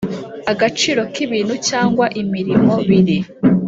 agaciro k ibintu cyangwa imirimo biri